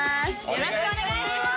よろしくお願いします